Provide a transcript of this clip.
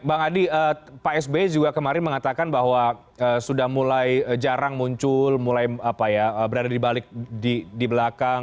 bang adi pak sby juga kemarin mengatakan bahwa sudah mulai jarang muncul mulai berada di balik di belakang